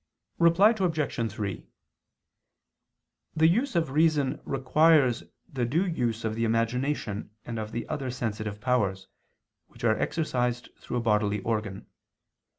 Reply Obj. 3: The use of reason requires the due use of the imagination and of the other sensitive powers, which are exercised through a bodily organ.